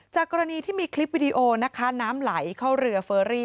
กรณีที่มีคลิปวิดีโอนะคะน้ำไหลเข้าเรือเฟอรี่